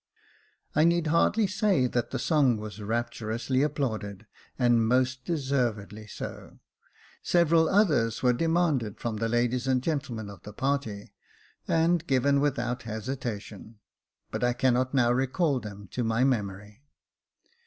" I need hardly say that the song was rapturously ap plauded, and most deservedly so. Several others were de manded from the ladies and gentlemen of the party, and given without hesitation ; but I cannot now recall them to my memory.